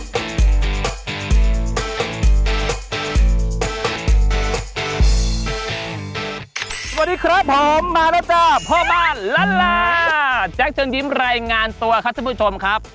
สวัสดีครับผมมาแล้วก็พ่อบ้านล้านลาแจ๊คเชิญยิ้มรายงานตัวครับท่านผู้ชมครับ